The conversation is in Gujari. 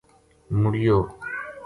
مُڑیو